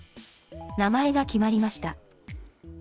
名前が決まりました。